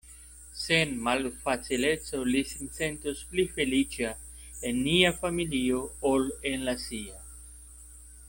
Sen malfacileco li sin sentos pli feliĉa en nia familio ol en la sia.